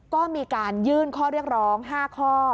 ก็มีการยื่นข้อเรียกร้อง๕ข้อ